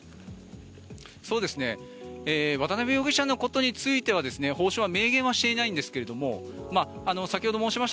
渡邉容疑者のことについては法相は明言はしていないんですが先ほど申しました